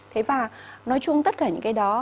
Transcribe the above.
thế và nói chung tất cả những cái đó